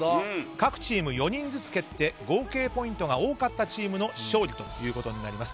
各チーム４人ずつ蹴って合計ポイントが多かったチームの勝利となります。